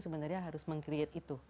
sebenarnya harus meng create itu